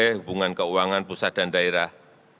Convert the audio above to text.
hubungan keuangan pusat dan daerah